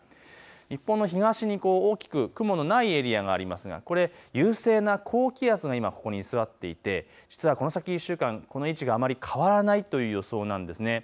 日本の東に大きく雲のないエリアがありますがこれは優勢な高気圧がここに居座っていて、この先１週間、この位置があまり変わらないという予想です。